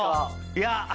いや。